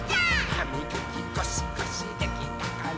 「はみがきゴシゴシできたかな？」